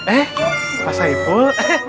eh pak saipul